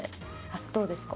どうですか？